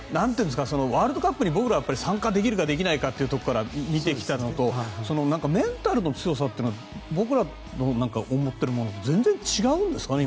ワールドカップに僕らは参加できるかどうかというところから見てきたのとメンタルの強さは僕らが思っているのと違うんですかね。